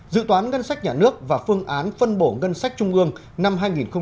dự toán ngân sách nhà nước và phương án phân bổ ngân sách trung ương năm hai nghìn hai mươi